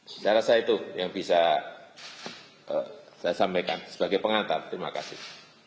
saya rasa itu yang bisa saya sampaikan sebagai pengantar terima kasih